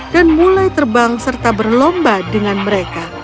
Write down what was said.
dan mulai terbang serta berlomba dengan mereka